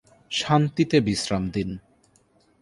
শান্তিতে বিশ্রাম দিন।